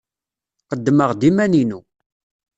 Qeddmeɣ-d iman-inu.